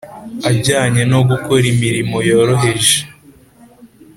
ajyanye no gukora imirimo yoroheje.